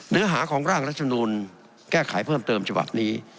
เนื้อหาของร่างรัฐมนูลแก้ไขเพิ่มเติมฉบับนี้